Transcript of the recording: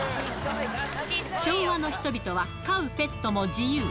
昭和の人々は、飼うペットも自由。